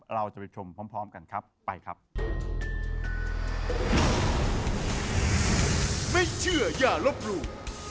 ลบหลู่